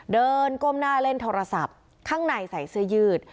ก้มหน้าเล่นโทรศัพท์ข้างในใส่เสื้อยืด